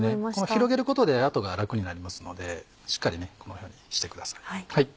広げることで後が楽になりますのでしっかりこのようにしてください。